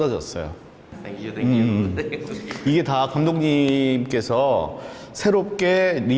ini semua karena pengajar ini